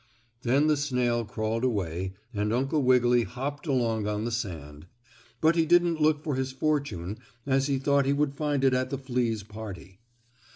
Then the snail crawled away, and Uncle Wiggily hopped along on the sand, but he didn't look for his fortune as he thought he would find it at the fleas' party.